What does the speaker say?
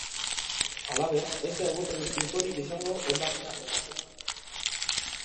Halaber, ez da egutegi finkorik izango hondakinak botatzeko.